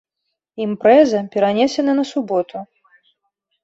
Імпрэза перанесены на суботу!